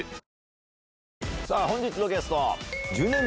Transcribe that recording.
さぁ本日のゲスト。